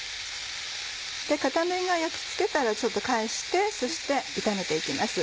片面が焼き付けたら返してそして炒めて行きます。